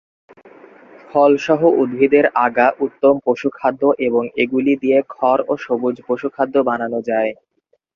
ফলসহ উদ্ভিদের আগা উত্তম পশুখাদ্য এবং এগুলি দিয়ে খড় ও সবুজ পশুখাদ্য বানানো যায়।